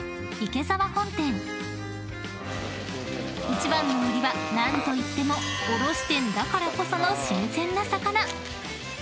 ［一番の売りは何といっても卸店だからこその］